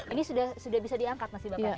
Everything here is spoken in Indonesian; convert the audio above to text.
ini sudah bisa diangkat nasi bakarnya